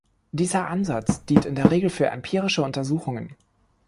Dieser Ansatz dient in der Regel für empirische Untersuchungen.